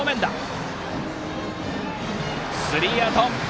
スリーアウト。